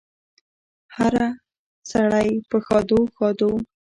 هره سړی په ښادو، ښادو